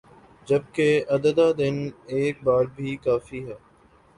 جبکہ کا اعادہ دن میں ایک بار بھی کافی ہے